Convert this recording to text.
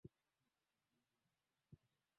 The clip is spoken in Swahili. Serikali ya China inatawala kwa mfumo wa chama kimoja